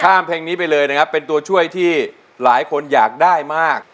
เพลงนี้ไปเลยนะครับเป็นตัวช่วยที่หลายคนอยากได้มาก